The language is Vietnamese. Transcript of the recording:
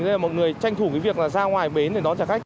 nên là mọi người tranh thủ cái việc là ra ngoài bến để đón trả khách